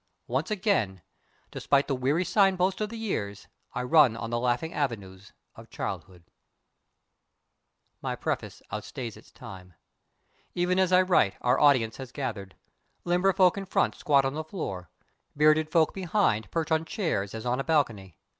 Once again, despite the weary signpost of the years, I run on the laughing avenues of childhood. My preface outstays its time. Even as I write our audience has gathered. Limber folk in front squat on the floor. Bearded folk behind perch on chairs as on a balcony.